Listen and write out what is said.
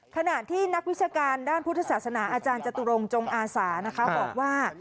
ขณะที่นักวิชาการด้านพุทธศาสนาอาจารย์จตุรงจงอาสานะคะบอกว่า